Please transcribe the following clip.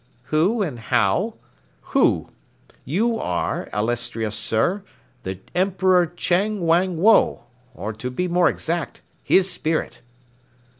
"Who and how? Who You are, illustrious Sir, the Emperor Chang Wang Woe, or to be more exact, his spirit!"